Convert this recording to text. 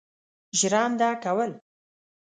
ژرنده کول.